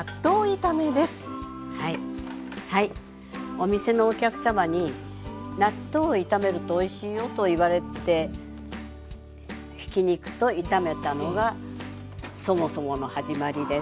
お店のお客様に納豆を炒めるとおいしいよと言われてひき肉と炒めたのがそもそもの始まりです。